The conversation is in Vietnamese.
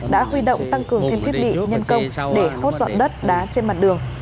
đã huy động tăng cường thêm thiết bị nhân công để khốt dọn đất đá trên mặt đường